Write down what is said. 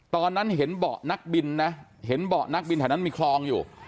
ตอนนั้นเห็นเบาะนักบินนะเห็นเบาะนักบินแถวนั้นมีคลองอยู่